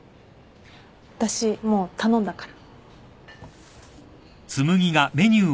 私もう頼んだから。